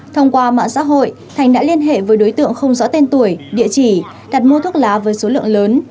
thông qua mạng xã hội thành đã liên hệ với đối tượng không rõ tên tuổi địa chỉ đặt mua thuốc lá với số lượng lớn